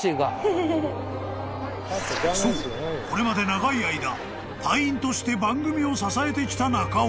［そうこれまで長い間隊員として番組を支えてきた中岡］